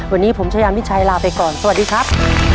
วันนี้ผมชายามิชัยลาไปก่อนสวัสดีครับ